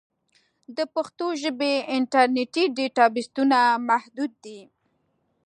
د پښتو ژبې انټرنیټي ډیټابېسونه محدود دي.